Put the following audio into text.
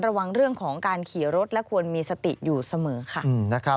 ระวังเรื่องของการขี่รถและควรมีสติอยู่เสมอค่ะ